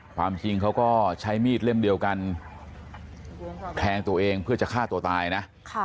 ความจริงเขาก็ใช้มีดเล่มเดียวกันแทงตัวเองเพื่อจะฆ่าตัวตายนะ